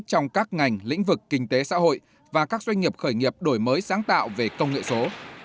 trong các ngành lĩnh vực kinh tế xã hội và các doanh nghiệp khởi nghiệp đổi mới sáng tạo về công nghệ số